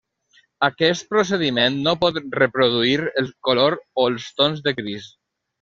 Aquest procediment no pot reproduir el color o els tons de gris.